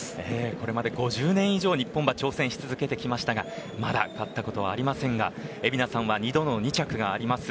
これまで５０年以上日本馬が挑戦し続けてきましたがまだ勝ったことはありませんが蛯名さんは２度の２着があります。